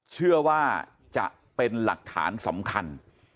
เชื่อว่าจะเป็นหลักฐานสำคัญ